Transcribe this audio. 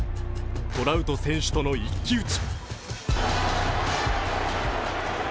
トラウト選手との一騎打ち。